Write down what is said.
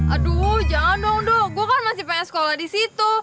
aduh jangan dong do gue kan masih pengen sekolah disitu